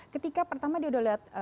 ketika pertama dia udah lihat